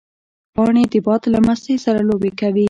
پاڼې د باد له مستۍ سره لوبې کوي